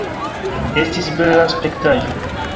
Estis bela spektaĵo.